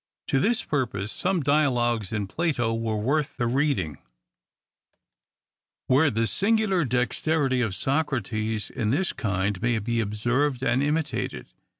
To this purpose, some dialogues in Plato were worth the reading, where the singular dexterity of Socrates in this kind may be observed and imitated.